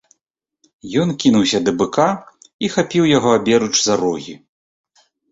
Ён кінуўся да быка і хапіў яго аберуч за рогі.